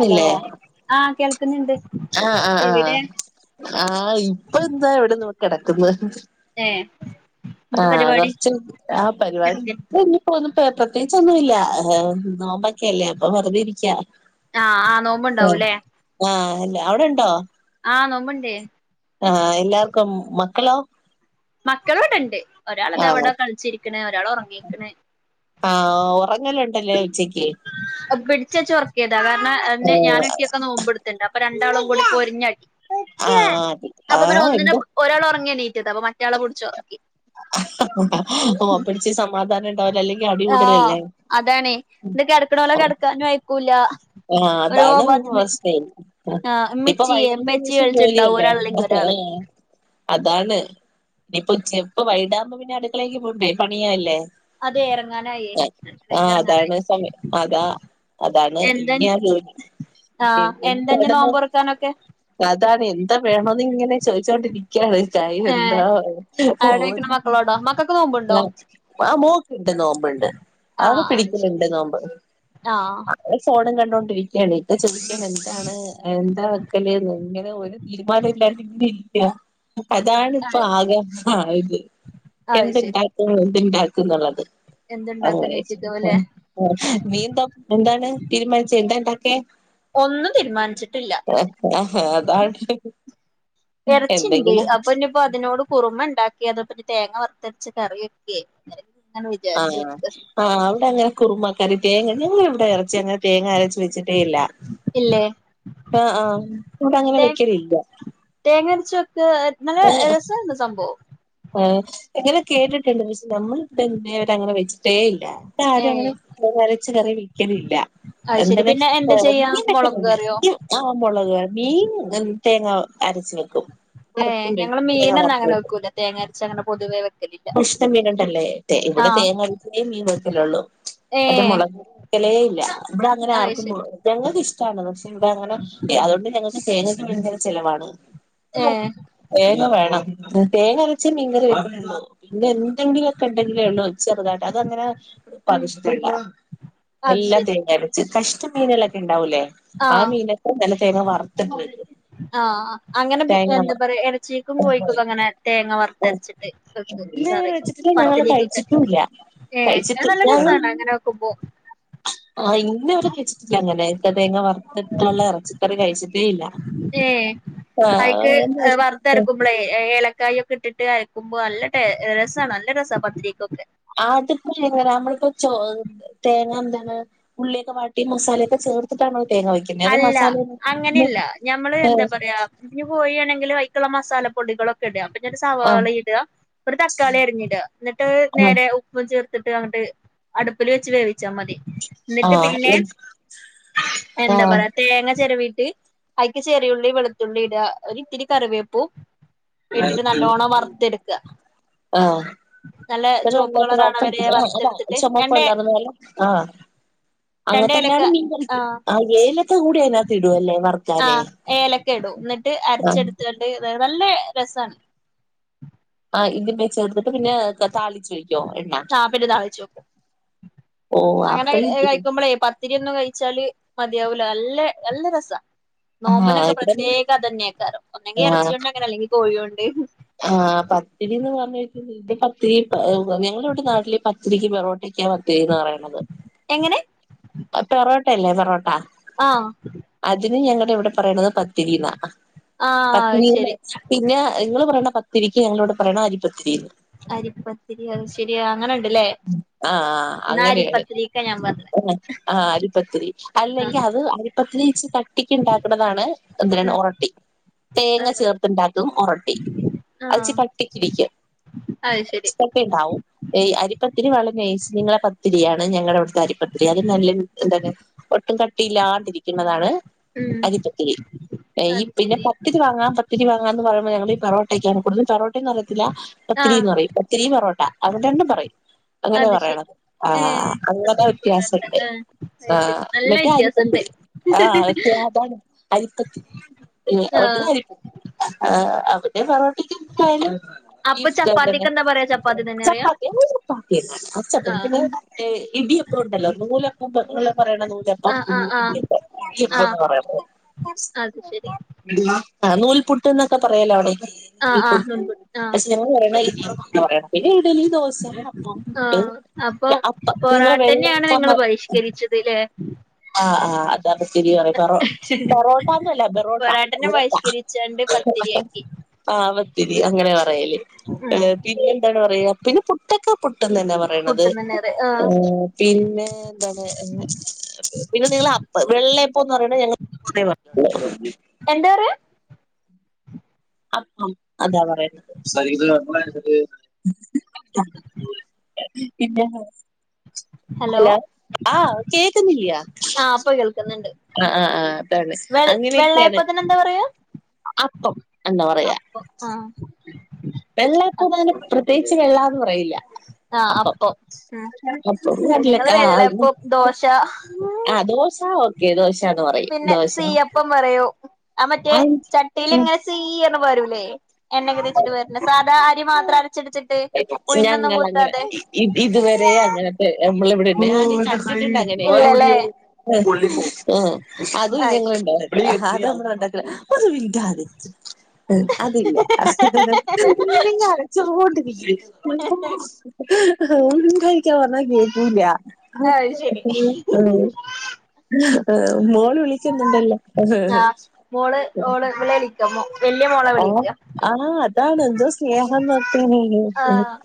Hello ആഹ് കേൾക്കുന്നുണ്ട് ആ ആ ആ എവിടെ ആ ഇപ്പൊ എന്താ ഇവിടെ നോ കിടക്കുന്ന് ഏ ആ കുറച്ച് ആ പരിപാടി കിടക്ക [unintelligible] ഇനി പോന്നും പ്രത്യേകിച്ചൊന്നുല്ല. നോമ്പൊക്കെയല്ലേ അപ്പ വെറുതെ ഇരിക്കാ. ആ ആ നോമ്പുണ്ടാവൂല്ലേ അല്ലെ അവിടെണ്ടോ? ആ നോമ്പുണ്ടേ ആ എല്ലാർക്കും മക്കളോ? മക്കള് ഇവിടെണ്ട് ഒരാൾ ഇത ആഹ് അവിടെ കളിച്ചിരിക്കണ ഒരാൾ ഉറങ്ങീക്കണ് ആ ഉറങ്ങലുണ്ടല്ലേ ഉച്ചക്ക് പിടിച്ചെച്ച് ഉറക്കീതാ കാരണം അന് ആഹ് ഞാനൊക്കെയൊക്കെ നോമ്പെടുത്തിണ്ട് അപ്പൊ രണ്ടാളും കൂടി പൊരിഞ്ഞടി ആഹ് അപ്പൊ പിന്നെ ആഹ് ഒന്നിന എന്തോ ഒരാൾ ഉറങ്ങി എണിറ്റട്ടാ അപ്പൊ മറ്റയാളെ പിടിച്ച് ഒറ അ അപ്പഠിച്ച സമാധാനം ഉണ്ടാവില്ല അല്ലെങ്കിൽ അടി ആ കൂടലല്ലേ അതാണ്. ഇത് കിടക്കണ പോലെ കിടക്കാനും വയക്കൂല്ല. ആ അതാണ് വസ്ഥയേ. ആഹ് ഇപ്പൊ ഇമ്മച്ചിയെ ഇമ്മച്ചിയെ വിളിച്ചിണ്ടാവും വൈകുന്നേ ഒരാളല്ലെങ്കിൽ ഒരാള് [unintelligible] അതാണ് ഇനിയിപ്പോ ചെപ്പ വൈടാകുമ്പോ പിന്നെ അടുക്കളേക്ക് പോണ്ടേ പണിയല്ലേ അതെ ഇറങ്ങാനായേ ആ അടുക്കളേക്ക് ഇറങ്ങാനായി അതാണ് സമയം അതാ അതാണ് ഞാൻ എന്താ [unintelligible] ആഹ് എന്താഞ്ഞ് എന്താടന്ന് നോമ്പൊറക്കാനൊക്കെ അതാണ് എന്താ വേണോന്ന് ഇങ്ങനെ ചോദിച്ചോണ്ടിരിക്കയാണ്. ഏഹ് അയിനെന്താ ഓൻ അവിടെയിക്കണ മക്കളോടോ മക്കക്ക് നോമ്പുണ്ടോ [unintelligible] ആ മോക്കുണ്ട്. നോമ്പുണ്ട്. അവള് ആഹ് അത് ശരി പിടിക്കലുണ്ട് നോമ്പ്. ആഹ് ഫോണും കണ്ടോണ്ടിരിക്കുകയാണ് ഇപ്പം ചോദിക്കാണ് എന്താണ് എന്താ വക്കല്ന്ന് ഇങ്ങനെ ഒരു തീരുമാനം ഇല്ലാണ്ട് ഇങ്ങനെ ഇരിക്ക. അതാണ് ഇപ്പോ അത് ആകെ ആയത്. അത് ശരി എന്തുണ്ടാക്കും എന്തുണ്ടാക്കും ന്നുള്ളത്. അ എന്തുണ്ടാക്കും ചോയിച്ചിട്ടാവുല്ലേ [unintelligible] നീന്താ എന്താണ് ചിന്താണ്ടൊക്കെ ഒന്നും തീരുമാനിച്ചിട്ടില്ല [unintelligible] ആ അതാണ് ഇറച്ചിണ്ട് എന്തെങ്കിലും അപ്പൊ ഇന്നയിപ്പോ അതിനോട് കുറുമ ഉണ്ടാക്ക [unintelligible] പിന്നെ തേങ്ങ വറുത്തരച്ച കറിയൊക്കെ ആ ആ അവിടെ അങ്ങനെ കുറുമ കറി തേങ്ങ ഞങ്ങളിവിടെ ഇറച്ചി അങ്ങനെ തേങ്ങ അരച്ച് വെച്ചിട്ടേ ഇല്ല. ഇല്ലേ ആഹ് ആഹ് കൂട്ടാനങ്ങനെ വെക്ക്യലില്ല [unintelligible] നല്ലെ എസാണ് സംഭവം എങ്ങനെ കേട്ടിട്ട്ണ്ട് മീൻസ് ഞമ്മള് പിന്നേടങ്ങനെ വെച്ചിട്ടേ ഇല്ലാ [unintelligible] ആരും ഏഹ് അങ്ങനെ [unintelligible] അരച്ച് കറി വെക്കലില്ലാ അത് ശരി എന്തണെ പിന്നെ എന്താ ചെയ്യാ പറഞ്ഞ് മൊളക് വെക്കുണ്ട് കറിയോ ആമ്പോള്ള മീൻ തേങ്ങ അരച്ച് വെക്കും. ഏഹ് ഞങ്ങള് വെക്കും തേങ്ങ മീനൊന്നും അങ്ങനെ വെക്കൂല തേങ്ങരച്ച അങ്ങനെ പൊതുവെ വെ കുഷ്ട മീനുണ്ടല്ലേ തേ ഇവിടെ തേങ്ങ [unintelligible] മീൻ വെക്കലേള്ളൂ മറ്റെ ഏഹ് മുളക് ക്കലെ ഇല്ല ഇവിടങ്ങനെ അത് ആർക്കും ശരി ഞങ്ങക്ക് ഇഷ്ടമാണ് പക്ഷെ ഇവിടങ്ങനെ അതു കൊണ്ട് ഞങ്ങ തേങ്ങക്ക് [unintelligible] ചിലവാണ് ഏഹ് തേങ്ങ വേണം. തേങ്ങരച്ച മീൻ കറി [unintelligible] പിന്നെ എന്തെങ്കില ക്കണ്ടെങ്കിലേ ഉള്ളൂ ചെറുതായിട്ട് അതങ്ങനെ ഉം പതിഷ്ട്ടല്ല. അത് എല്ലാം ശരി തേങ്ങ അരച്ച് കഷ്ടം മീനല്ല കെ ണ്ടാവൂലേ ആ ആഹ് മീനൊക്കെ നല്ല തേങ്ങ വറുത്ത ആഹ് അങ്ങനെ എന്ത് പറയാ ഇറച്ചിക്കും കോഴിക്കൊക്കെ അങ്ങനെ തേങ്ങ വറത്തരച്ചിട്ട് വെക്കും ഇന്നേവരെ കറി വെച്ചിട്ടില്ല ഞങ്ങള് പത്തിരിക്കൊക്കെ. കഴിച്ചിട്ടും ഇല്ല കേക്കാൻ കഴിച്ചിട്ട് നല്ല ഞങ്ങൾ രസാണ് അങ്ങനെ വെക്കുമ്പോ. ആഹ് ഇന്നേ വരെ കഴിച്ചിട്ടില്ല അങ്ങനെക്ക തേങ്ങ വറത്തുള്ള ഇറച്ചിക്കറി കഴിച്ചിട്ട ഏഹ് അയിക്ക് വറുത്തരക്കുമ്പളേ ഏലക്കായ ഇട്ടിട്ട് കയക്കുമ്പോ നല്ല ടേ രസാണ് നല്ല രസാ പത്തിരിക്കൊക്കെ. ആതിപ്പോ എങ്ങനാ നമ്മളിപ്പോ ചോ തേങ്ങ എന്താണ് ഉള്ളിയൊക്കെ വാട്ടി മസാലയൊക്കെ ചേ ചേർത്തിട്ടാണ് ഓര് അല്ല അങ്ങനെല്ല ഞമ്മള് എന്താ പറയാ ഇഞ്ഞ് പോയിയാണെങ്കില് മക്കള മസാല പൊടികളൊക്കെ ഇട എന്നട്ട് ആഹ് സവാള ഇടുക ഒരു തക്കാളി അരിഞ്ഞിടുക എന്നിട്ട് ആഹ് നേരെ ഉപ്പും ചേർ ത്തിട്ട് അന്നിട്ട് അടുപ്പിൽ വെച്ച് വേവിച്ചാ മതി എന്നിട്ട് പിന്നെ ആഹ് എന്താ പറയാ തേങ്ങ ചെരവീട്ട് അയിക്ക് ചെറിയുള്ളി വെളത്തുള്ളി ഇട ഒരു ഇത്തിരി കറിവേപ്പു ഇട്ടിട്ട് നല്ലോണ്ണം വറുത്തെടുക്കുക. ആഹ് [unintelligible] കളറാവണ വരെ വറുത്തെടുത്തിട്ട് രണ്ട് ആഹ് അങ്ങൻ രണ്ട് ഏലക്ക തന്നെയാണ് മീൻ ആഹ് [unintelligible] അതിനകത്ത് ഇടുവല്ലേ വറുക്കാന് ആഹ് ഏലക്കെടും എന്നിട്ട് ആഹ് അരച്ചെടുത്ത്കാണ്ട് തെ നല്ല രസാണ് ആഹ് [unintelligible] പിന്നെ താളി ആഹ് പിന്നെ താളിച്ച്വെക്കും ഓ അങ്ങനെ ആപ്പിൾ കഴിക്കുമ്പളേ പത്തിരി ഒന്നും കഴിച്ചാല് മതിയാവൂല നല്ല നല്ല രസാ ആ നോമ്പിനൊക്കെ ഇവിടെ പ്രത്യേകം അതന്നേക്കാറം ഒന്നെങ്കി ഇറച്ചിയോണ്ടങ്ങനെ അല്ലെങ്കിൽ കോഴിയോണ്ട് ആഹ് പത്തിരി എന്ന് പറഞ്ഞാ [unintelligible] പത്തിരി ഞങ്ങളിവിടെ നാട്ടില് പത്തിരിക്ക് പെറോട്ടക്കാവന്ന് തീന്നാറയണത് എങ്ങനെ പൊറോട്ടയല്ലേ പൊറോട്ടാ ആഹ് ഇവിടെ പറയ്ണത് പത്തിരീന്നാ ആഹ് ആഹ് പത്തിരീന്ന അയ്ശരി [unintelligible] പിന്നെ നിങ്ങള് പറയ്ണ പ പത്തിരിക്ക് ഞങ്ങളവിടെ പറയ്ണ അരി പത്തിരീന്ന് അരിപ്പത്തിരി അഹ്ശരി അങ്ങനെണ്ട്ല്ലേ ആഹ് ന്നാ അങ്ങനേണ് അരിപ്പത്തിരിക്ക ഞാൻ പറഞ്ഞെ [unintelligible] ആഹ് ആഹ് അരിപത്തിരി അല്ലെങ്കി അത് അരിപത്തിരിച്ച് കട്ടിക്ക് ഉണ്ടാക്കുന്നതാണ് എന്തിനാണ് ഒറൊട്ടി തേങ്ങ ആഹ് ചേർത്ത് ണ്ടാക്കും ഒറൊട്ടി ഉം അത്ച്ചി ആഹ് കട്ടിക്കിരിക്കും അത് ശരി [unintelligible] കട്ടി ഉണ്ടാവും അരിപ്പത്തിരി നല്ല നൈസ് നിങ്ങളെ പത്തിരിയാണ് ഞങ്ങളെ ഇവിടുത്തെ അരി ത്തിരി അത് നല്ല നീ എന്താണ് ഒട്ടും കട്ടിയില്ലാതിരിക്കുന്നതാണ് ഉം അരിപ്പത്തിരി ഈ അത് പിന്നെ ശരി പത്തിരി വാങ്ങാം പത്തിരി വാങ്ങാംന്ന് പറയുമ്പം ഞങ്ങള് ഈ പെറോട്ടയ്ക്കാണ് കൂടുതലും പെറോ ത്തിലി ആഹ് പത്തിരീന്ന് പറയും പത്തിരി ബൊറോട്ട അത് രണ്ടും പറയും. അങ്ങനെ അത് ശരി പറയണം ആ ഏഹ് അങ്ങന പത്തിരി പൊറോട്ട വ്യത്യാസുണ്ട്. ആഹ് അത് ശരി ആഹ് നല്ല മറ്റേ വ്യത്യാസണ്ട് അരിപ്പത്തിരി ആഹ് മറ്റേ അതാണ് അരിപ്പത്തിരി. [unintelligible] പിന്നെ ആഹ് പൊറോ [unintelligible] ബീഫ് അപ്പൊ [unintelligible] ചപ്പാത്തിക്ക് എന്താ പറയാ ചപ്പാത്തി തന്നെ പറയാ ചപ്പാത്തി ഞങ്ങള് ചപ്പാത്തി [unintelligible] അ ചപ്പാത്തി ആഹ് പിന്നെ ഇടിയം എല്ലാർക്കും നൂലപ്പം [unintelligible] പറയണെ നൂലപ്പം ആഹ് ആഹ് ആഹ് ആഹ് [unintelligible] അത് ശെരി. ആ നൂൽപുട്ട്ന്നൊക്കെ പറയൂല്ലോ അവിടെ. ആഹ് ഈ ആഹ് കൊടുകൂ നൂൽപുട്ട് [unintelligible] ആഹ് അസ്നൗ പറയണെ ഈ [unintelligible] പറയണം പിന്നെ ഇഡലി, ദോശ, അപ്പം, [unintelligible] ഈ ദിവസ അപ്പം നിങ്ങള് വെ ക്കെയാണ് നിങ്ങള് പരിഷ്കരിച്ചത്. ലേ ആഹ് ആഹ് അതാണ് ഇത്തിരി കൊറോ പൊറോട്ട ഒന്നും അല്ല ബറോട്ട പൊറാട്ടനെ ബറോട്ട. ബഹിഷ്കരിച്ചാണ്ട് പത്തിരിയാക്കി ആ സ്ഥിതി അങ്ങനെ പറയല് ഉം പിന്നെ പിന്നെ എന്താണ് പറയുക പിന്നെ പുട്ടക്കെ പു പുട്ട്ന്നന്നാ പറയ്ണത് പുട്ട്ന്നെന്നെ പറയാ ആഹ് ഏ പിന്നെ എന്താണ് എ പിന്നെ നിങ്ങള് അപ്പ് വെള്ളയപ്പോന്ന് പറയണ് ഞങ്ങള് [unintelligible] ഏഹ് അപ്പം അതാ പറയുന്നത് പിന്നെ [unintelligible] ഹലോ ആ കേക്കുന്നില്ലിയ- ആഹ് ഇപ്പൊ കേൾക്കുന്നുണ്ട് ആഹ് ആഹ് ആഹ് അതാണ് വെ അങ്ങനെയൊക്കെയാണ്- വെള്ളയപ്പത്തിന് എന്താ പറയാ അപ്പം എന്താ പറയാ അപ്പം ആഹ് അത് ശരി വെള്ളാപ്പുതാനും [unintelligible] പ്രത്യേകിച്ച് വള്ളാന്ന് പറയൂല്ല- ആഹ് അപ്പൊ അപ്പം ഞങ്ങള് കടലക്ക ആ വെള്ളേപ്പം ദോശ- ആ ദോശ ഓക്കെ ദോശന്ന് പറയും പിന്നെ ദോശ സീയപ്പം പറയൂ അ മറ്റേ ആ ചട്ടീൽ ഉം ഇങ്ങനെ ചീ എന്ന് പാരൂലേ എണ്ണയൊക്കെ തേച്ചിട്ട് വര്ണെ സാധാ അരി മാത്രാണ് ഞങ്ങളങ്ങനെ ഇത് ഇതുവരെ അങ്ങനത്തെ നമ്മള് ഇവിടെ [inaudible] ഇങ്ങനെയൊക്കെ ഇല്ലല്ലേ കാലൊടിയും പൊള്ളി പോവും ആ അതും [unintelligible] അത് ശരി നമ്മള് ഉണ്ടാക്കല ഒന്നി മിണ്ടാതിരിക്ക് അതില്ല ഇങ്ങനിങ്ങ് അലച്ചോണ്ട് മിണ്ടായിരിക്കാൻ പറഞ്ഞാ കേക്കൂലാ അത് ശരി അ [inaudible] ആഹ് മോള് വിളിക്കുന്നുണ്ടല്ലോ ആഹ് വല്ല്യ മോള ആ വിളിക്ക ആ അതാണ് എന്തോ സ്നേഹം എന്നൊക്കെ ആഹ്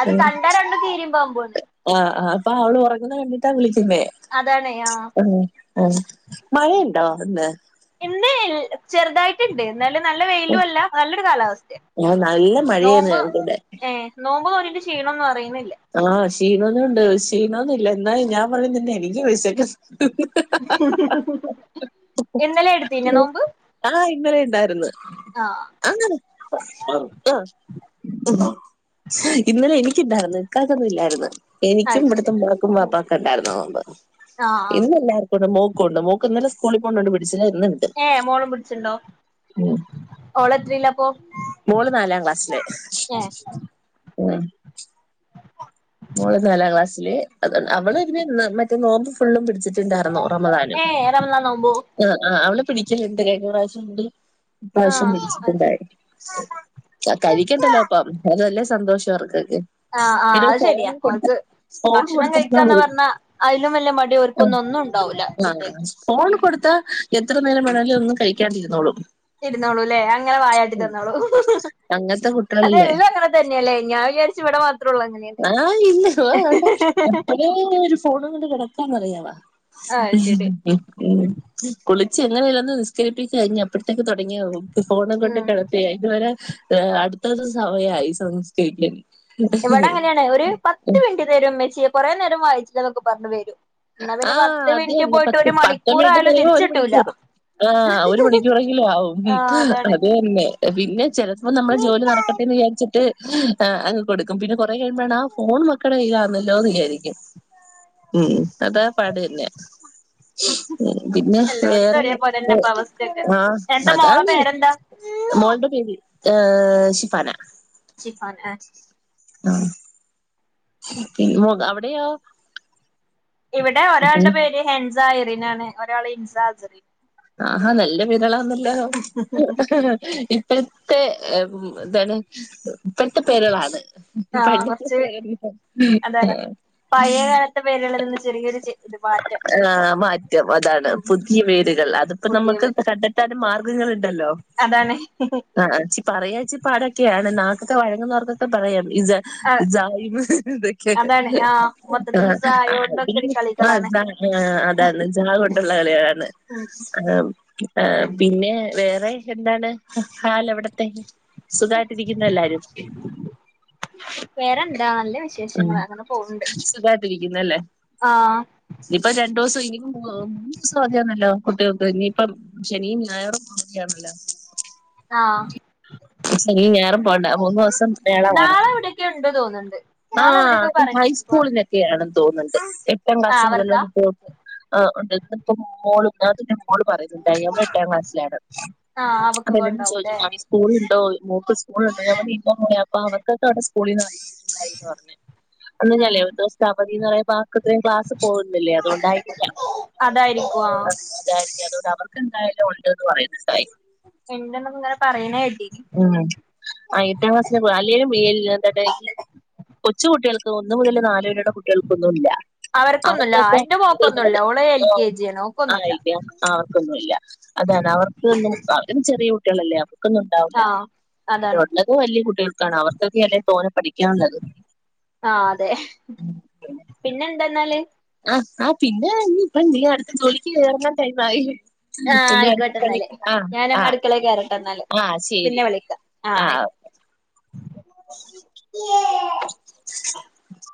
അത് കണ്ടാ രണ്ടും കീരിയും പാമ്പുവാ ആഹ് അപ്പം അവള് ഒറങ്ങുന്ന കണ്ടിട്ടാ വിളിക്കുന്നേ അതാണ് ആ ആഹ് അ മഴ [unintelligible] ഇന്ന് ചെറുതായിട്ടുണ്ട് എന്നാലും നല്ല വെയിലും അല്ല നല്ലൊരു കാലാവസ്ഥയ ആഹ് നല്ല മഴയാണ് നോമ്പ് ഞങ്ങക്കിവിടെ ഏ നോമ്പ് തൊറ ക്ഷീണംന്ന് പറയുന്ന് ആഹ് ക്ഷീണമ്ന്നും ഉണ്ട് ക്ഷീണോന്നുംല്ല എന്നാലും ഞാൻ പറയുന്നന്നെ എനിക്ക് വെശക്ക്ന്ന് [unintelligible] ഇന്നലെ എടുത്തീനെ നോമ്പ് ആഹ് ഇന്നലെ ഇണ്ടാ ട്ന്ന് ആ അങ്ങനെ ആ ഇന്നലെ എനിക്ക് ഇണ്ടായിര്ന്ന് ഇക്കാക്കൊന്നും ഇല്ലായിരുന്ന് എനിക്കും അത് ശരി ഇവിടത്തെ മോക്കും വപ്പൊക്കെ ഉണ്ടായിരുന്ന് നോമ്പ് ആ ആ ഇന്നെല്ലാർക്കും ഉണ്ട് മോ ണ്ട് മോക്ക് ഇന്നലെ സ്കളി [unintelligible] ഏഹ് മോളും പിട്ച്ച്ണ്ടോ ഉം ഓളത്രീലപ്പൊ മോള് നാലാം ക്ലാസ്സില് ഏ മോള് നാലാം ക്ലാസ്സില് അതൊണ്ട് അവള് പിന്നെ മറ്റേ നോമ്പ് ഫുള്ളും പിടിച്ചിട്ട് ണ്ടാർന്നു റമദാൻല് ഏ റമളാൻ നോമ്പോ ആ ആ അവള് പിടിക്കല്ണ്ട് കഴിഞ്ഞ പ്രാവശ്യകൂടി ആ പ്രാവശ്യം അത് ശരി പിടിച്ചിട്ടുണ്ടായിര്ന്നു കഴിക്കണ്ടല്ലോ അപ്പം അത് നല്ല സന്തോഷാ അവർക്ക് ആ ആ [unintelligible] അത് ശെരിയാ അവർക്ക് ഭക്ഷണം കഴിക്കാന്ന് പറഞ്ഞാ ഐലും വല്യ മടി ഓർക്കൊന്നു ഒന്നുണ്ടാവൂല ആഹ് കുട്യേക്ക് ഫോൺ കൊടുത്താ എത്ര നേരം വേണേലും ഒന്നും കഴിക്കാണ്ടിര്ന്നോളും ഇരുന്നോളൂ ലേ അങ്ങനെ വായാട്ടി തന്നോളൂ അങ്ങനത്തെ അതെ കുട്ടികളില്ലേ എല്ലോം അങ്ങനെ തന്നെല്ലേ ആ ഇല്ല അതണ്ട് എപ്പോഴേ ഒരു ഫോണും കൊണ്ട് കെടക്കാന്ന്റിയാവാ ആഹ് ശരി ഉം ഉം കുളി പക്ഷെ എങ്ങനെല്ലാന്ന് നിസ്കരിപ്പിക്ക കഴിഞ്ഞ അപ്പോഴത്തേക്ക് തൊടങ്ങിയാവും ഫോണും കൊണ്ട് ഉം കിടത്തിയാ ഇതുവരെ അടുത്തത് സമയായി നിസ്കരിക്കാന് ഇവിടെ അങ്ങനെയാണ് ഒരു പത്ത് മിനിറ്റ് തരോ ഇമ്മച്ചിയെ കൊറെ നേരം വായിച്ചില്ലേ എന്നൊക്കെ പറഞ്ഞ് വരും എന്നാ പിന്നെ ആഹ് പത്ത് അത് മിനിറ്റ് തന്നെ പോയിട്ട് പത്ത് ഒരു മണിക്കൂറായാലും തിരിച്ചിട്ടൂല ആ ഒരു മണിക്കൂറെങ്കിലും ആവും അതാണ് അത് തന്നെ പിന്നെ ചെലപ്പോ നമ്മളെ ജോലി നടക്കട്ടെ ന്ന് വിചാര്ച്ച്ട്ട് അങ്ങ് കൊടുക്കും പിന്നെ കൊറെ കഴിയുമ്പോഴാണ് ആ ഫോണ് മക്കളെ കയ്യിലാന്നല്ലോ എന്ന് വിചാരിക്കും ഉം അതാ പാട് എന്നെ പിന്നെ എല്ലോടത്തും വേറെ ഒരേ പോലെന്നെപ്പ അവസ്ഥയൊക്കെ ആഹ് എന്റെ മോളെ അതാണ് പേരെന്താ മോൾടെ പേര് ഏ ശിഫാന ഷിഫാൻ ആഹ് ആഹ് അവിടെയൊ ഇവിടെ ഒരാൾടെ പേര് ഹെൻസാഐറിനാണ് ഒരാള് ഹിൻഅസറിൻ ആഹാ നല്ല പേരാളാണല്ലോ ഇപ്പഴത്തെ എന്താണ് ഇപ്പഴത്തെ പേരാളാണ് ആഹ് പണ്ട് കൊറച്ച് അതാണ് പഴയ [unintelligible] കാലത്തെ പേരുകളിൽ നിന്ന് ചെറിയൊരു ഇത് മാറ്റം ആ മാറ്റം അതാണ് ഉം പുതിയ പേരുകൾ അത് പുതിയ നമക്ക് പേര് കണ്ടത്താന് മാർഗ്ഗങ്ങള്ണ്ടല്ലോ അതാണ് ആ ച്ചി പറയാ ച്ചി പാടൊക്കെ നാക്കൊക്കെ വഴങ്ങുന്നവർക്കൊക്കെ പറയാം സാ ആ സായിമ് ഇതൊക്കെ അതാണ് ആ ആ മൊത്തത്തില് ആ സായോണ്ടൊക്കെടി കളികളാണ് [unintelligible] ആ അതാണ് ജാ കൊണ്ടുള്ള കളികളാണ് ഓക്കെ ആ ആ പിന്നെ വേറെ എന്താണ് ഹാലവിട്ത്തെ സുഖായിട്ടിരിക്കുന്നോ എല്ലാരും വേറെന്താ നല്ല ഉം വിശേഷങ്ങള് അങ്ങനെ പോവ്ണ്ട് സുഖായിട്ടരിക്കുന്നു അല്ലേ ആഹ് ഇനിയിപ്പ രണ്ടുസം ഇനി മൂന്നൂസം അവതിയാര്ന്നല്ലോ കുട്യൾക്ക് ഇനിയിപ്പം ശനിയും ഞായാറും അവധിയാണല്ലോ ആ ശനിയും ഞായറും പോണ്ട മൂന്നോസം മേളമാണ് നാളെ എവിടെയൊക്കെ ഉണ്ട് തോന്ന്ണ്ട് ആ നാളെ എവിടെയൊക്കെ പറഞ്ഞിട്ട് ക്ലാസ് ഹൈസ്കൂളിനൊക്കെയാണെന്ന് തോന്ന്ണ്ട് എട്ടാം ആഹ് ക്ലാസ് അവർക്കാ മുതലൊന്നും കോട്ട് ആ ഉണ്ട് ഇന്ന്പ്പോ മോള് മോള് പറയുന്നുണ്ടായി അവള് എട്ടാം ക്ലാസ്സിലാണ് ആഹ് അവക്കൊക്കെ അപല്ലരും ചോയ്ച്ചു ഉണ്ടാവൂല്ലേ മ സ്കൂളുണ്ടോ മോക്ക് സ്കൂള്ണ്ടോ ഞാ പറഞ്ഞു ഇല്ല മോളെ അപ്പൊ അവർക്കൊക്കെ അവിടെ സ്കൂളീന്ന് ആയിട്ട്ണ്ടായിന്നാ പറഞ്ഞെ അന്ന് ഉം ഞാൻലേ ഒരു ദിവസ്ത്തെ അവതിന്ന് പറയ്മ്പം അത്രീം ക്ലാസ്സ്‌ പോകുന്നില്ലേ അതുകൊണ്ടായിരിക്കാം അതായിരിക്കും ആഹ് അതായിരിക്കും അതുകൊണ്ട് അവർക്ക് എന്തായാലും ഉണ്ടെന്ന് പറയുന്നുണ്ടായി ഇണ്ടെന്ന്ങ്ങനെ പറയണേട്ടി ഉം ആ എട്ടാം ക്ലാസ്സിലെ അല്ലേലും എന്താണ് ഈ കൊച്ച് കുട്യൾക്കും ഇന്ന് മുതൽ നാല് പരുടെ കുട്ടികൾക്കൊന്നും ഇല്ല അവർക്കൊന്നുല്ല അവർക്കക്കെ എന്റെ മോക്കൊന്നുല്ല ഓള് എൽ കെ ജി ആണ് ഓക്കൊന്നുല്ല ആ അവർക്കൊന്നും ഇല്ല അതാണ് അവർക്കൊന്നും ചെറിയ കുട്ടികളല്ലേ അവർക്കൊന്നും ഉണ്ടാവില്ല ആ പിന്നെ അതാണ് ഉള്ളത് കുട്ടികൾക്കാണ് അവർക്കല്ല തോന്ന ആ അതെ പിന്നെ എന്താന്നാല് ആ ആ പിന്നെ ഇനി ഇപ്പ നീ അടുത്ത ജോലിക്ക് കയറന്നാ ടൈം ആയി ആ ആയിക്കോട്ടെ എന്നല്ലേ ഞാനും ആ അടുക്കളെ കേറട്ടെ എന്നല്ലേ ആ പിന്നെ ശരി വിളിക്കാം ആ ആയിക്കോ